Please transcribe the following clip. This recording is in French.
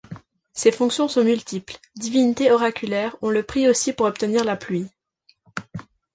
Ses fonctions sont multiples, divinité oraculaire, on le prie aussi pour obtenir la pluie.